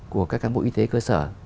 của các cán bộ y tế cơ sở